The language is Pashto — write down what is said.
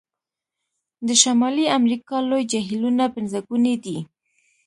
د شمالي امریکا لوی جهیلونه پنځګوني دي.